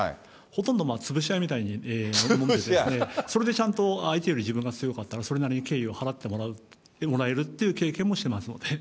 ほとんど潰し合いみたいに飲んでですね、それでちゃんと相手より自分が強かったら、それなりに敬意を払ってもらえるっていう経験もしますので。